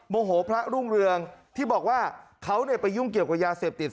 โมโหพระรุ่งเรืองที่บอกว่าเขาไปยุ่งเกี่ยวกับยาเสพติด